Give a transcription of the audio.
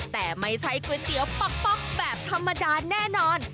แต่ไม่ใช่ก๋วยเตี๋ยวป๊อกแบบธรรมดาแน่นอน